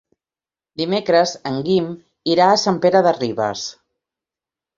Dimecres en Guim irà a Sant Pere de Ribes.